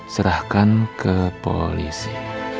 serahkan ke polisi